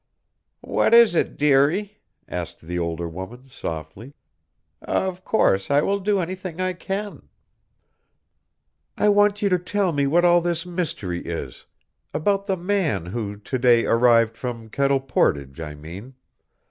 "What is it, dearie," asked the older woman, softly. "Of course I will do anything I can." "I want you to tell me what all this mystery is about the man who to day arrived from Kettle Portage, I mean.